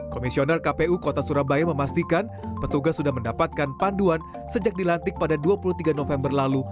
komisioner kpu kota surabaya memastikan petugas sudah mendapatkan panduan sejak dilantik pada dua puluh tiga november lalu